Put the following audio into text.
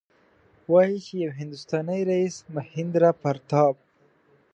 وايي چې یو هندوستانی رئیس مهیندراپراتاپ.